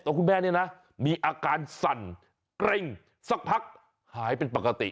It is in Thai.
คุณแม่เนี่ยนะมีอาการสั่นเกร็งสักพักหายเป็นปกติ